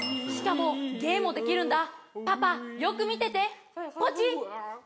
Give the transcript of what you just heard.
しかも芸もできるんだパパよく見ててポチ！